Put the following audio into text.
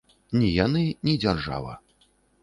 Ні яны, ні дзяржава.